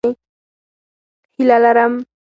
هیله لرم